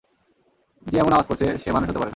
যে এমন আওয়াজ করছে, সে মানুষ হতে পারে না।